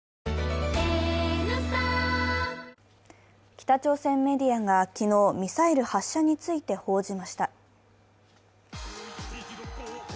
北朝鮮メディアが昨日、ミサイル発射について報じました。